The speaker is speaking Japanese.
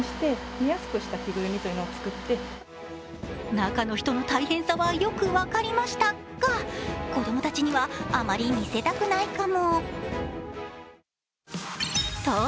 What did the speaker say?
中の人の大変さはよく分かりましたが、子供たちにはあまり見せたくないかも。